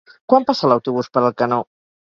Quan passa l'autobús per Alcanó?